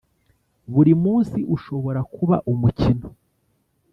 buri munsi ushobora kuba umukino,